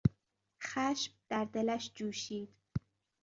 خشم در دلش جوشید.